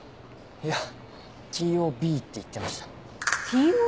いやＴＯＢって言ってました。